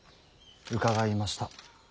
伺いました。